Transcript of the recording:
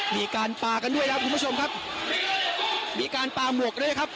มีการปลากันด้วยแล้วคุณผู้ชมครับมีการปลาหมวกด้วยนะครับ